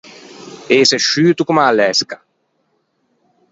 Ëse sciuto comme a lesca.